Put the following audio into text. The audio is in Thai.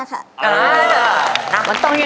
ยิ่งเสียใจ